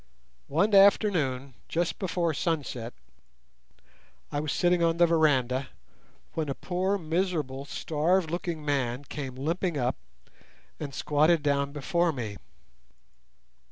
One afternoon, just before sunset, I was sitting on the veranda, when a poor, miserable, starved looking man came limping up and squatted down before me.